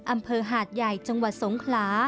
อำเภอหาดใหญ่จังหวัดสงขลา